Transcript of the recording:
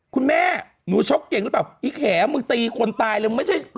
คุณแม่หนูชกเก่งหรือเปล่าอีแหมึงตีคนตายเลยมึงไม่ใช่